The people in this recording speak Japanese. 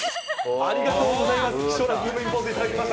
ありがとうございます。